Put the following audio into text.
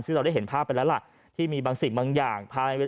ซึ่งเราได้เห็นภาพไปแล้วล่ะที่มีบางสิ่งบางอย่างภายใน